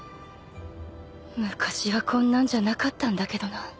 昔はこんなんじゃなかったんだけどな